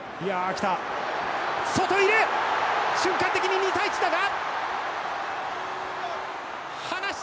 瞬間的に２対１だが。